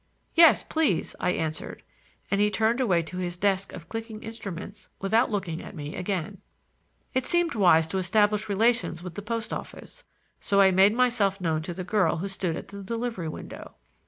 "Yes, please," I answered, and he turned away to his desk of clicking instruments without looking at me again. It seemed wise to establish relations with the post office, so I made myself known to the girl who stood at the delivery window.